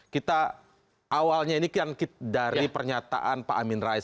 kita awalnya ini kan dari pernyataan pak amin rais